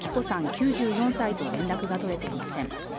９４歳と連絡が取れていません。